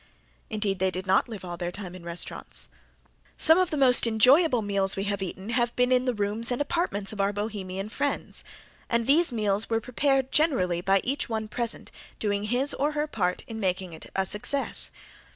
Indeed they did not live all their time in restaurants. Some of the most enjoyable meals we have eaten have been in the rooms and apartments of our Bohemian friends, and these meals were prepared generally by each one present doing his or her part in making it a success.